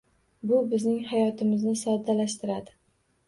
Bu bizning hayotimizni soddalashtiradi.